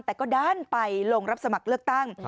แต่ก็ด้านไปลงรับสมัครเลือกตั้ง